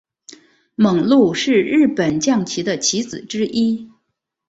猛鹿是日本将棋的棋子之一。